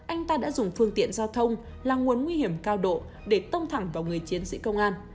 anh ta đã dùng phương tiện giao thông là nguồn nguy hiểm cao độ để tông thẳng vào người chiến sĩ công an